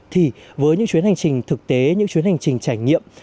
thì với những chuyến hành trình thực tế những chuyến hành trình trải nghiệm